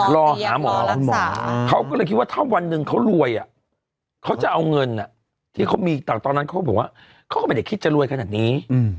รอหาหมอคุณหมอเขาก็เลยคิดว่าถ้าวันหนึ่งเขารวยเขาจะเอาเงินที่เขามีแต่ตอนนั้นเขาบอกว่าเขาก็ไม่ได้คิดจะรวยขนาดนี้